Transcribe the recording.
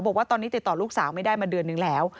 บอกว่าตอนนี้ติดต่อลูกสาวไม่ได้มาเดือนนึงแล้ว